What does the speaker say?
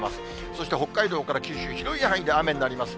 そして北海道から九州、広い範囲で雨になります。